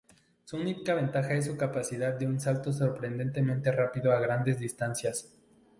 Su única ventaja es su capacidad de un salto sorprendentemente rápido a grandes distancias.